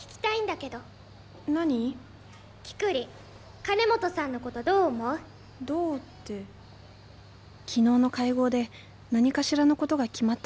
昨日の会合で何かしらのことが決まったのだ。